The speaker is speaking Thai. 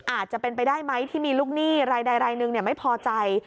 อาจจะเป็นไปได้ไหมที่มีลูกหนี้รายใดรายหนึ่งไม่พอใจ